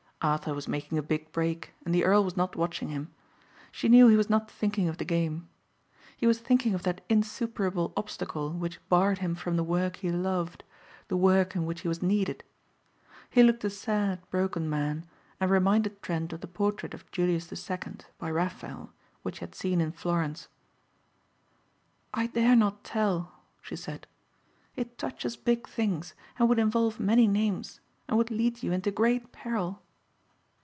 Arthur was making a big break and the earl was not watching him; she knew he was not thinking of the game. He was thinking of that insuperable obstacle which barred him from the work he loved, the work in which he was needed. He looked a sad, broken man and reminded Trent of the portrait of Julius the second, by Raphael, which he had seen in Florence. "I dare not tell," she said. "It touches big things and would involve many names and would lead you into great peril."